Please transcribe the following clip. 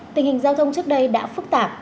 tình hình giao thông trước đây đã phức tạp